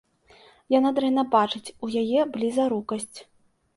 Яна дрэнна бачыць, у яе блізарукасць.